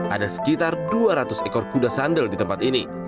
ada sekitar dua ratus ekor kuda sandal di tempat ini